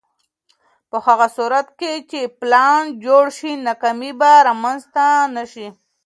په هغه صورت کې چې پلان جوړ شي، ناکامي به رامنځته نه شي.